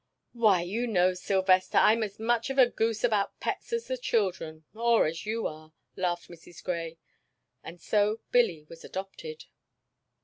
"Why, you know, Sylvester, I'm quite as much of a goose about pets as the children or as you are," laughed Mrs. Grey, and so Billy was adopted.